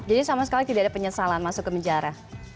jadi sama sekali tidak ada penyesalan masuk ke penjara